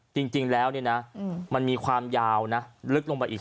จริงแล้วเนี่ยนะมันมีความยาวนะลึกลงไปอีก